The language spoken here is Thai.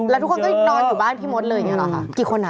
แล้วทุกคนก็นอนอยู่บ้านพี่มดเลยอย่างนี้หรอคะกี่คนอ่ะ